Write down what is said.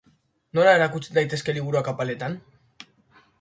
Nola erakuts daitezke liburuak apaletan?